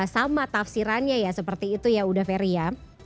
sama tafsirannya ya seperti itu ya uda ferry ya